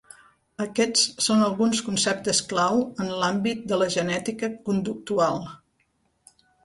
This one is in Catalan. Aquests són alguns conceptes clau en l'àmbit de la genètica conductual.